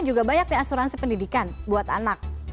juga banyak nih asuransi pendidikan buat anak